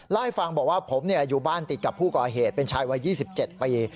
เล่าให้ฟังบอกว่าผมอยู่บ้านติดกับผู้ก่อเหตุเป็นชายวัย๒๗ปี